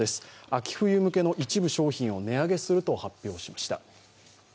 秋冬向けの一部商品を値上げすると発表しました。